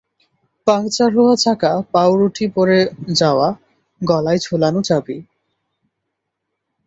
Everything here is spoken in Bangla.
পাংচার হওয়া চাকা, পাউরুটি পড়ে যাওয়া, গলায় ঝোলানো চাবি।